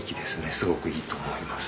すごくいいと思います。